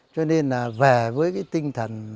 cho nên là về với cái tinh thần cách mạng